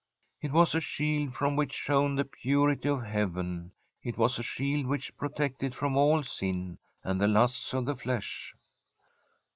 It was a shield from which shone the purity of heaven. It was a shield which protected from all sin and the lusts of the flesh.